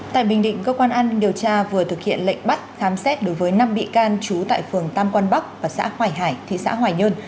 tại bình định cơ quan an điều tra vừa thực hiện lệnh bắt khám xét đối với năm bị can trú tại phường tam quang bắc và xã hoài hải thị xã hoài nhơn